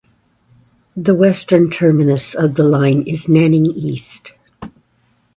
The western terminus of the line is Nanning East.